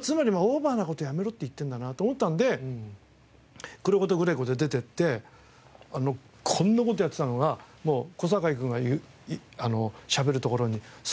つまりオーバーな事をやめろって言ってるんだなと思ったので「クロ子とグレ子」で出て行ってこんな事やってたのがもう小堺君がしゃべるところに「そうだね」とかね。